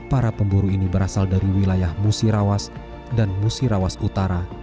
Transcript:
para pemburu ini berasal dari wilayah musirawas dan musirawas utara